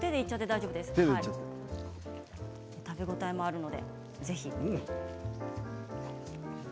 食べ応えがあるのでぜひ。